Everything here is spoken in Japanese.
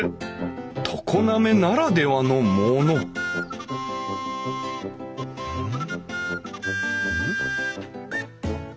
常滑ならではのものうん？